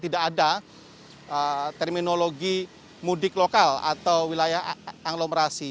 tidak ada terminologi mudik lokal atau wilayah anglomerasi